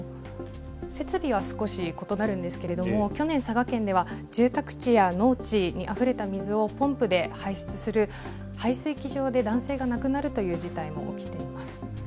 設備は少し異なるんですけれども去年、佐賀県では住宅地や農地にあふれた水をポンプで排出する排水機場で男性が亡くなるという事態も起きています。